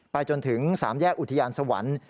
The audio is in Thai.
จนถึง๓แยกอุทยานสวรรค์